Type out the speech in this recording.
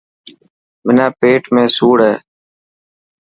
منا پيٽ ۾ سوڙ هي.